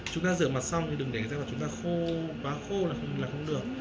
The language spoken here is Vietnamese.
chúng ta rửa mặt xong thì đừng để da của chúng ta quá khô là không được